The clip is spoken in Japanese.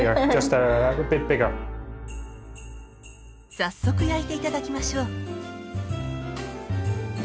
早速焼いて頂きましょう。